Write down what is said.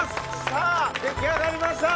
さぁ出来上がりました！